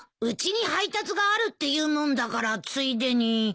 うちに配達があるって言うもんだからついでに。